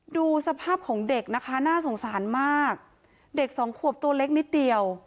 ดูสภาพของเด็กนะคะน่าสงสารมากเด็กสองขวบตัวเล็กนิดเดียว